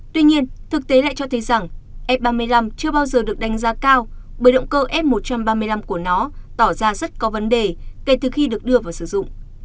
tuy nhiên thực tế lại cho thấy rằng f ba mươi năm chưa bao giờ được đánh giá cao bởi động cơ f một trăm ba mươi năm của nó tỏ ra rất có vấn đề kể từ khi được đưa vào sử dụng